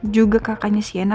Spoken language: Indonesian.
juga kakaknya sienna